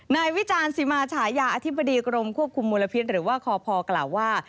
วิจารณ์สิมาฉายาอธิบดีกรมควบคุมมลพิษหรือว่าคพกล่าวว่า